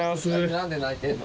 なんで泣いてるの？